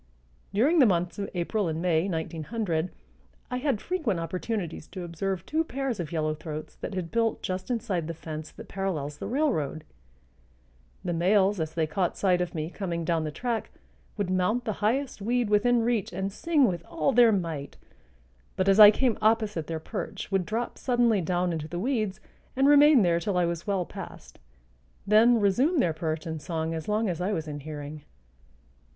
During the months of April and May, 1900, I had frequent opportunities to observe two pairs of yellow throats that had built just inside the fence that parallels the railroad; the males, as they caught sight of me coming down the track, would mount the highest weed within reach and sing with all their might, but as I came opposite their perch would drop suddenly down into the weeds and remain there till I was well past, then resume their perch and song as long as I was in hearing.